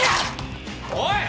おい！